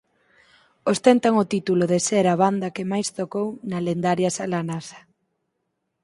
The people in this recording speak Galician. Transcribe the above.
Ostentan o título de ser a banda que máis tocou na lendaria sala Nasa.